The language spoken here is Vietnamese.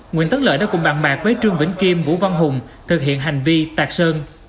nguyễn tấn lợi đã cùng bàn bạc với trương vĩnh kim vũ văn hùng thực hiện hành vi tạc sơn